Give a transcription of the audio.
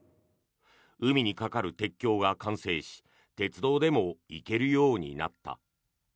海に架かる鉄橋が完成し鉄道でも行けるようになった。